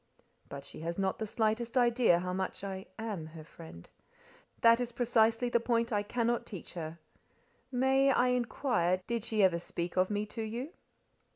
"But she has not the slightest idea how much I am her friend. That is precisely the point I cannot teach her. May I inquire did she ever speak of me to you?"